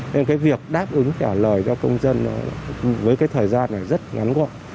nên cái việc đáp ứng trả lời cho công dân với cái thời gian này rất ngắn gọc